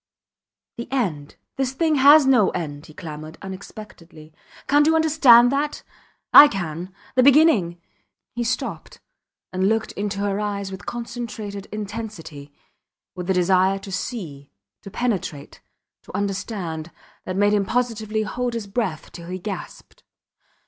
The end this thing has no end, he clamoured, unexpectedly. Cant you understand that? I can ... The beginning ... He stopped and looked into her eyes with concentrated intensity, with a desire to see, to penetrate, to understand, that made him positively hold his breath till he gasped.